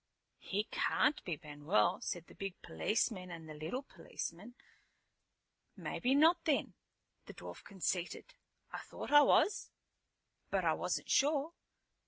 "He can't be Manuel," said the big policemen and the little policeman. "Maybe not, then," the dwarf conceded. "I thought I was, but I wasn't sure.